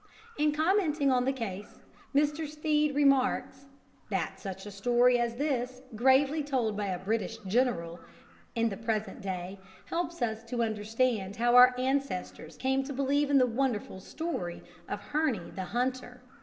In commenting on the case, Mr. Stead remarks, "That such a story as this, gravely told by a British General in the present day, helps us to understand how our ancestors came to believe in the wonderful story of Herne the Hunter."